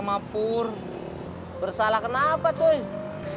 uang cakduk personnel di malaysia untuk suaminya saja crown